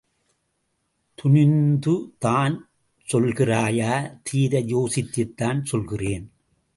துணிந்துதான் சொல்கிறாயா? தீர யோசித்துத்தான் சொல்கிறேன்.